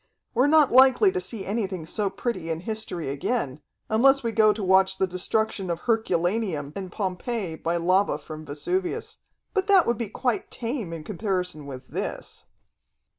We're not likely to see anything so pretty in history again, unless we go to watch the destruction of Herculaneum and Pompeii by lava from Vesuvius. But that would be quite tame in comparison with this."